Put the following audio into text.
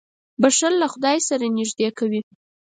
• بښل له خدای سره نېږدې کوي.